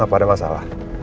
apa ada masalah